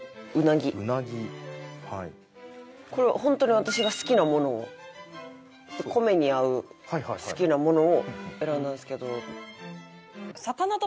これはホントに私が好きなものを米に合う好きなものを選んだんですけど。